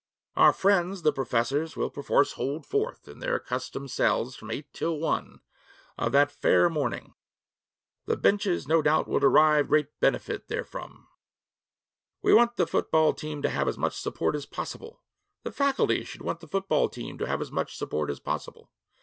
'Our friends, the professors, will perforce hold forth in their accustomed cells from eight till one of that fair morning. The benches, no doubt, will derive great benefit therefrom.... 'We want the football team to have as much support as possible. The Faculty should want the football team to have as much support as possible.